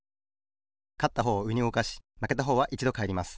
かったほうをうえにうごかしまけたほうはいちどかえります。